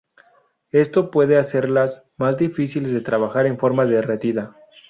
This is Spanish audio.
Esto puede hacerlas más difíciles de trabajar en forma derretida.